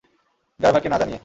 Driver কে না জানিয়ে।